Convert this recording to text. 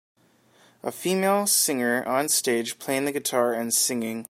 A female singer on stage playing the guitar and singing.